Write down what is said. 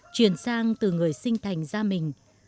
chuyển sang từ người sinh thành ra mình